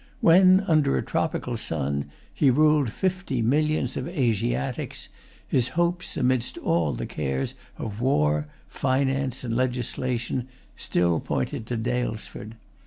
When, under a tropical sun, he ruled fifty millions of Asiatics, his hopes, amidst all the cares of war, finance, and legislation, still pointed to Daylesford.